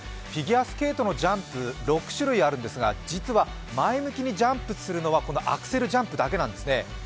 フィギュアスケートのジャンプ、６種類あるんですが実は前向きにジャンプするのは、このアクセルジャンプだけなんですね。